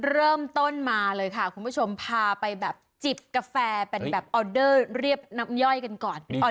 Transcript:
เริ่มต้นมาเลยค่ะคุณผู้ชมพาไปแบบจิบกาแฟเป็นแบบออเดอร์เรียบน้ำย่อยกันก่อน